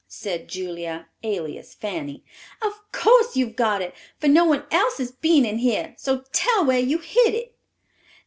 said Julia (alias Fanny). "Of course you've got it, for no one else has been in here; so tell where you hid it."